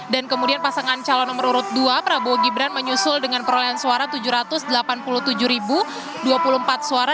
kemudian pasangan calon nomor urut dua prabowo gibran menyusul dengan perolehan suara tujuh ratus delapan puluh tujuh dua puluh empat suara